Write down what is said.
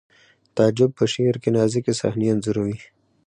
تعجب په شعر کې نازکې صحنې انځوروي